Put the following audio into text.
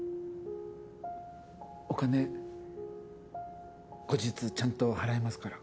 お金後日ちゃんと払いますから。